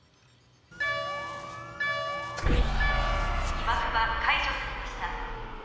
起爆は解除されました。